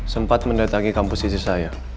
sempat mendatangi kampus pisir saya